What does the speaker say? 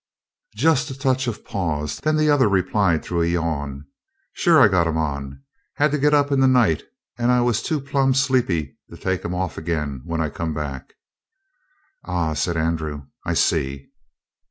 Just a touch of pause, then the other replied through a yawn: "Sure, I got 'em on. Had to get up in the night, and I was too plumb sleepy to take 'em off again when I come back." "Ah," said Andrew, "I see."